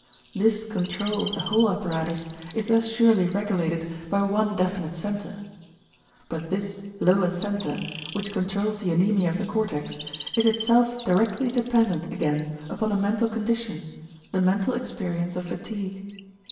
This control of the whole apparatus is thus surely regulated by one definite center. But this lower center, which controls the anæmia of the cortex, is itself directly dependent again upon a mental condition, the mental experience of fatigue.